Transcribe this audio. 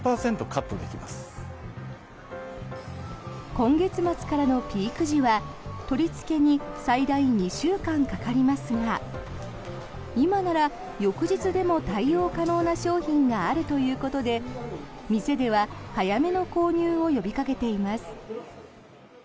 今月末からのピーク時は取りつけに最大２週間かかりますが今なら翌日でも対応可能な商品があるということで店では早めの購入を呼びかけています。